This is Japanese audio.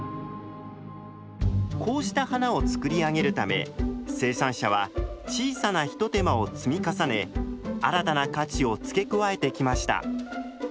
こうした花を作り上げるため生産者は小さなひと手間を積み重ね新たな価値を付け加えてきました。